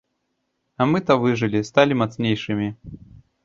А мы то выжылі, сталі мацнейшымі.